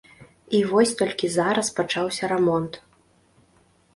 І вось толькі зараз пачаўся рамонт.